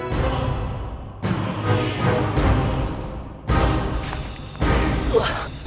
jatuh paham rupanya